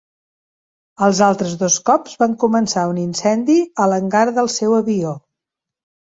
Els altres dos cops van començar un incendi a l'hangar del seu avió.